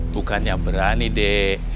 bukannya berani dek